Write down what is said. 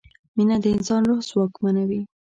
مینه د انسان روح ځواکمنوي.